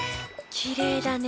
きれいだね。